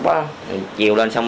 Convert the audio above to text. mình chiều lên xong